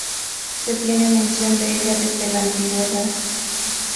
Se tiene mención de ella desde la antigüedad.